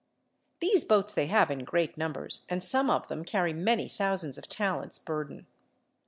These boats they have in great numbers and some of them carry many thousands of talents' burden.